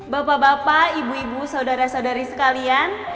bapak bapak ibu ibu saudara saudari sekalian